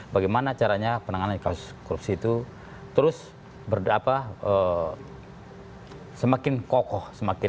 bagaimana caranya penanganan kasus korupsi itu terus semakin kokoh semakin